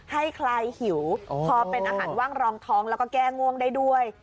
คลายหิวพอเป็นอาหารว่างรองท้องแล้วก็แก้ง่วงได้ด้วย